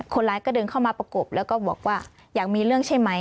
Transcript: คนร้ายก็เดินเข้ามาประกบแล้วก็บอกว่าอยากมีเรื่องใช่ไหม